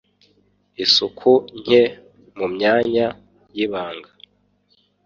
Isuku nke mumyanya y,ibanga